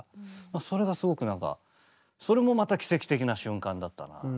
それがすごくなんかそれもまた奇跡的な瞬間だったなぁと。